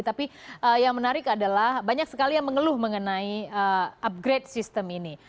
tapi yang menarik adalah banyak sekali yang mengeluh mengenai upgrade sistem ini